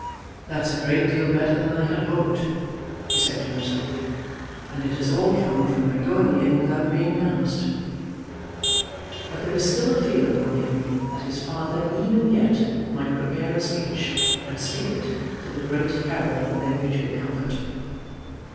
"That's a great deal better than I had hoped," he said to himself; "and it has all come from my going in without being announced." But there was still a fear upon him that his father even yet might prepare a speech, and speak it, to the great peril of their mutual comfort.